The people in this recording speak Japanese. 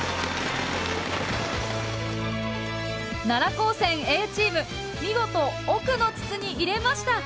奈良高専Ａチーム見事奥の筒に入れました！